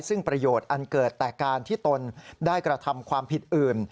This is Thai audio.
ซึ่งประโยชน์อันเกิดแต่การที่ตนได้กระทำความผิดอื่น